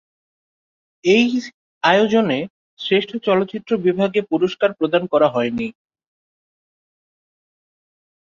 এই আয়োজনে শ্রেষ্ঠ চলচ্চিত্র বিভাগে পুরস্কার প্রদান করা হয়নি।